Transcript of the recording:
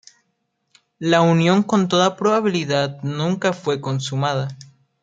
La unión, con toda probabilidad, nunca fue consumada.